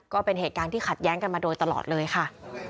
ก็เป็นเหตุการณ์ที่ขัดแย้งกันมาโดยตลอดเลยค่ะ